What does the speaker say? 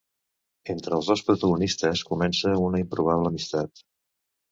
Entre els dos protagonistes comença una improbable amistat.